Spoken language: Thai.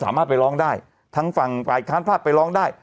สามารถไปร้องได้ทั้งฝั่งฝ่ายค้านภาพไปร้องได้